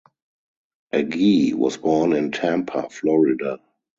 Agee was born in Tampa, Florida.